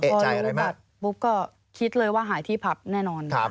พอโดนบัตรปุ๊บก็คิดเลยว่าหายที่ผับแน่นอน